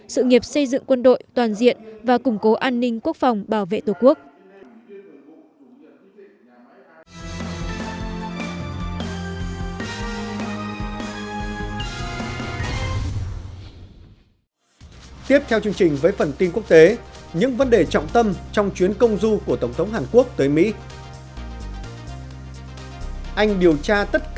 sự nghiệp xây dựng quân đội toàn diện và củng cố an ninh quốc phòng bảo vệ tổ quốc